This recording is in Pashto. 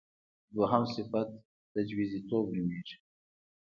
دویم صفت تجویزی توب نومېږي.